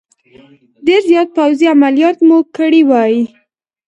ډېر زیات پوځي عملیات مو کړي وای.